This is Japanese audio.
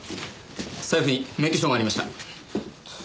財布に免許証がありました。